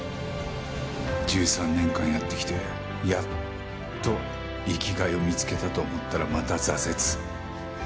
１３年間やってきてやっと生きがいを見つけたと思ったらまた挫折。